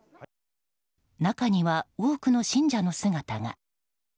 中には多くの信者の姿が。